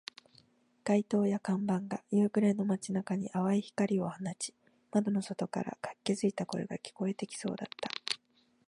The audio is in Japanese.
街灯や看板が夕暮れの街中に淡い光を放ち、窓の外から活気付いた声が聞こえてきそうだった